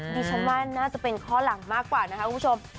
ดิฉันว่าน่าจะเป็นข้อหลังมากกว่านะคะคุณผู้ชม